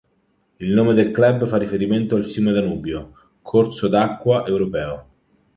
Il nome del club fa riferimento al fiume Danubio, corso d'acqua Europeo.